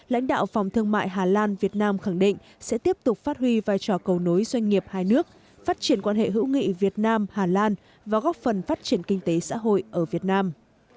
lãnh đạo phòng thương mại hà lan việt nam khẳng định sẽ tiếp tục phát huy vai trò cầu nối doanh nghiệp hai nước phát triển quan hệ hữu nghị việt nam hà lan và góp phần phát triển kinh tế xã hội ở việt nam